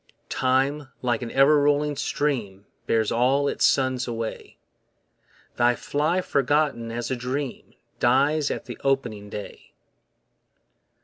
Time like an ever rolling stream Bears all its sons away; They fly forgotten as a dream Dies at the opening day.